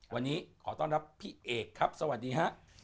วันนี้ขอต้อนรับพี่เอกครับสวัสดีครับ